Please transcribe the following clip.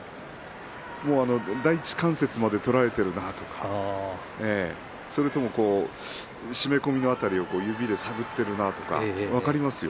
第一関節まで取られているかなと締め込みの辺りを指で探っているかなとか分かりますよ。